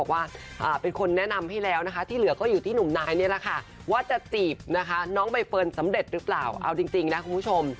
ว่าจะจีบนะคะน้องใบเฟิร์นสำเร็จรึเปล่าเอาจริงจริงนะคุณผู้ชม